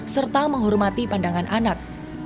serta menghormati pandangan anak